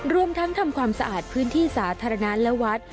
รวมทั้งทำความสะอาดพื้นที่สาธารณะและวัด